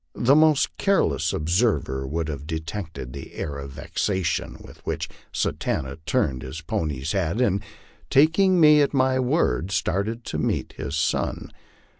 203 The most careless observer would have detected the air of vexation with which Satanta turned his pony's head, and taking me at my word started to meet his son.